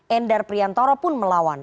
endar priyantara pun melawan